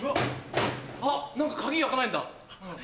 あっ何か鍵開かないんだ。